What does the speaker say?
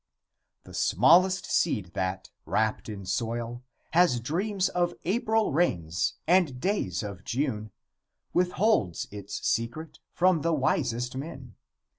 The smallest seed that, wrapped in soil, has dreams of April rains and days of June, withholds its secret from the wisest men.